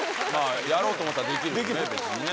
やろうと思ったらできるしね別にね。